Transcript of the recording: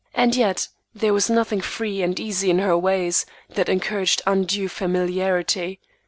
And yet there was nothing free and easy in her ways that encouraged undue familiarity.